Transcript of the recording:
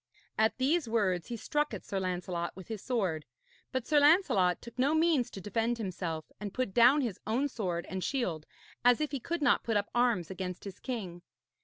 At these words he struck at Sir Lancelot with his sword; but Sir Lancelot took no means to defend himself, and put down his own sword and shield, as if he could not put up arms against his king.